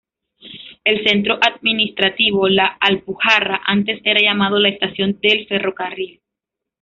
El centro administrativo La Alpujarra antes era llamado la estación del ferrocarril.